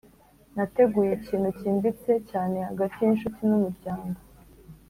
Nateguye ikintu cyimbitse cyane hagati y’inshuti n’umuryango